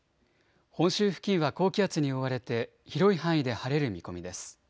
本州付近は高気圧に覆われて広い範囲で晴れる見込みです。